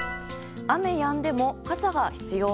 雨やんでも傘が必要。